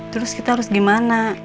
terus kita harus gimana